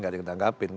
gak ada yang tanggapin